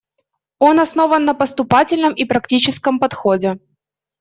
Он основан на поступательном и практическом подходе.